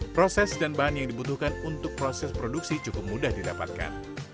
proses dan bahan yang dibutuhkan untuk proses produksi cukup mudah didapatkan